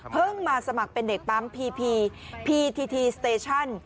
มาสมัครเป็นเด็กปั๊มพีพีพีทีทีสเตชั่น